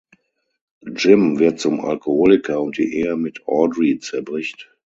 Jim wird zum Alkoholiker und die Ehe mit Audrey zerbricht.